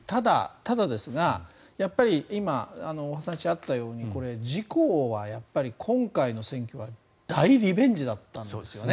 ただですが、やっぱり今最初あったようにこれ、自公は今回の選挙は大リベンジだったんですよね。